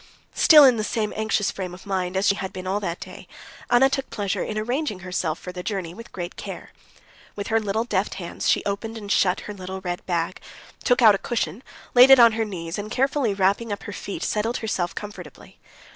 Still in the same anxious frame of mind, as she had been all that day, Anna took pleasure in arranging herself for the journey with great care. With her little deft hands she opened and shut her little red bag, took out a cushion, laid it on her knees, and carefully wrapping up her feet, settled herself comfortably.